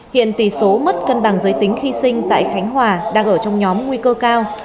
hiện tỷ số mất cân bằng giới tính khi sinh tại khánh hòa đang ở trong nhóm nguy cơ cao